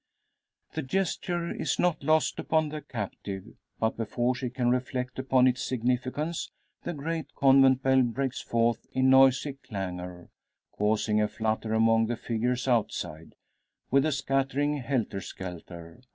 The gesture is not lost upon the captive. But before she can reflect upon its significance the great convent bell breaks forth in noisy clangour, causing a flutter among the figures outside, with a scattering helter skelter.